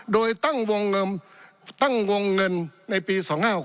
โดยตั้งวงเงินในปี๒๕๖